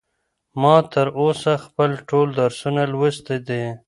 ما تر اوسه خپل ټول درسونه لوستي دي.